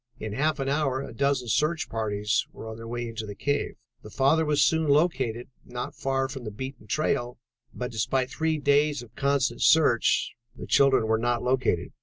In half an hour a dozen search parties were on their way into the cave. The father was soon located, not far from the beaten trail, but despite three days of constant search, the children were not located.